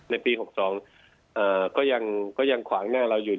ในปี๖๒ก็ยังขวางหน้าเราอยู่